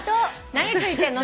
何ついてんの？